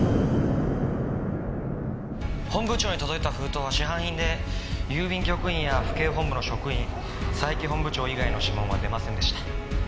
本部長に届いた封筒は市販品で郵便局員や府警本部の職員佐伯本部長以外の指紋は出ませんでした。